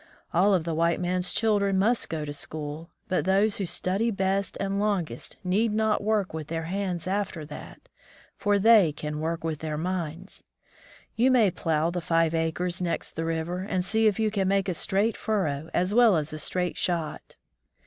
All of the white man's children must go to school, but those who study best and longest need not work with their hands after that, for they can work with their minds. You may plow the five acres next the river, and see if you can make a straight furrow as well as a straight shot."